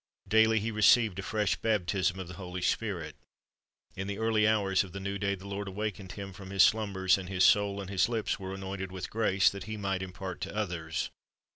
Daily He received a fresh baptism of the Holy Spirit. In the early hours of the new day the Lord awakened Him from His slumbers, and His soul and His lips were anointed with grace, that He might impart to others.